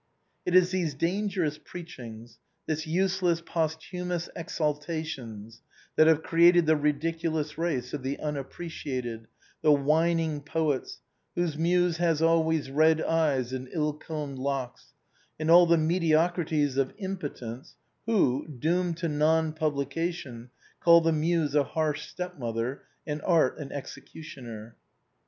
It is these dangerous preachings, this useless posthumous exaltation, that have created the ridiculous race of the unappreciated, the whining poets whose muse has always red eyes and ill combed locks, and all the mediocrities of impotence who, doomed to non publication, call the muse a harsh stepmother, and art an executioner.